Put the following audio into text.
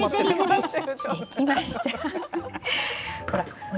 できました。